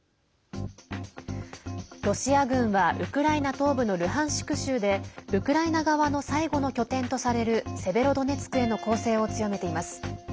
ロシア軍はウクライナ東部のルハンシク州でウクライナ側の最後の拠点とされるセベロドネツクへの攻勢を強めています。